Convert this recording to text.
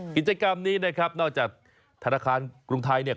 กิจกรรมนี้นะครับนอกจากธนาคารกรุงไทยเนี่ย